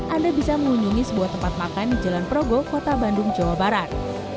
anda bisa mengunjungi sebuah tempat makan di jalan progo kota bandung jawa barat